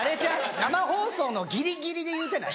生放送のギリギリで言うてない？